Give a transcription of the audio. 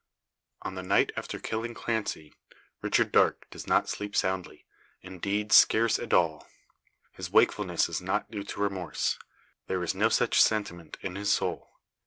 On the night after killing Clancy, Richard Darke does not sleep soundly indeed scarce at all. His wakefulness is not due to remorse; there is no such sentiment in his soul.